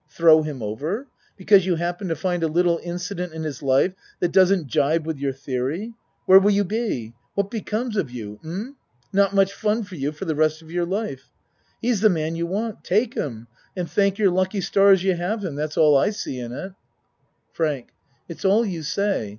Throw him over because you happen to find a little incident in his life that doesn't jibe with your theory? Where will you be? What be comes of you? Um? Not much fun for you for the rest of your life. He's the man you want take him and thank your lucky stars you have him. That's all I see in it. ACT III 95 FRANK It's all you say.